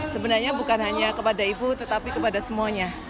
sebenarnya bukan hanya kepada ibu tetapi kepada semuanya